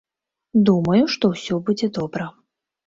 Думаю, што ўсё будзе добра.